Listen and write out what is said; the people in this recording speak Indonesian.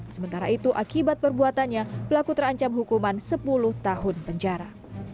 sementara itu akibat perbuatannya pelaku terancam hukuman sepuluh tahun penjara